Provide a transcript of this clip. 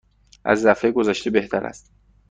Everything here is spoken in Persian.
از دفعه گذشته بهتر است.